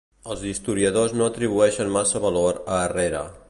Els historiadors no atribueixen massa valor a Herrera.